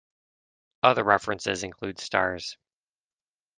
Other references include stars.